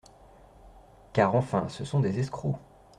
Car enfin, ce sont des escrocs…